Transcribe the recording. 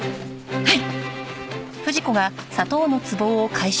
はい！